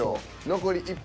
残り１分。